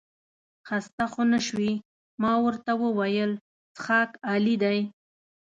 خسته خو نه شوې؟ ما ورته وویل څښاک عالي دی.